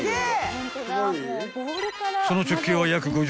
［その直径は］